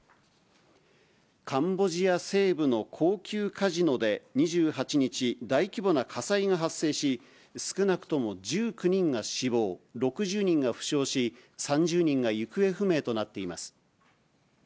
カンボジア西部の高級カジノで２８日、大規模な火災が発生し、少なくとも１９人が死亡、６０人が負傷し、３０人が行方不明となっています。